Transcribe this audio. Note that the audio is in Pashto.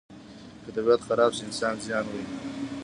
که طبیعت خراب شي، انسان زیان ویني.